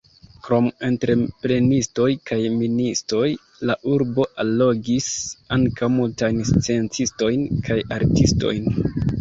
Krom entreprenistoj kaj ministoj la urbo allogis ankaŭ multajn sciencistojn kaj artistojn.